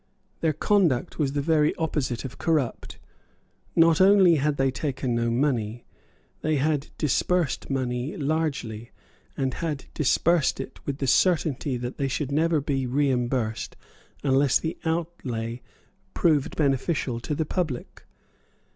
Their conduct was the very opposite of corrupt. Not only had they taken no money. They had disbursed money largely, and had disbursed it with the certainty that they should never be reimbursed unless the outlay proved beneficial to the public.